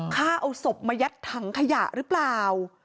ฆ่าเอาศพมายัดถังขยะหรือเปล่า